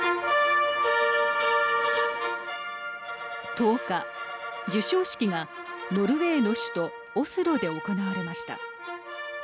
１０日、授賞式がノルウェーの首都オスロで行われました。